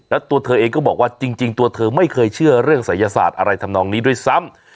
แล้วตัวเธอเองก็บอกว่าจริงตัวเธอไม่เคยเชื่อเรื่องศัยศาสตร์อะไรทำนองนี้ด้วยซ้ำ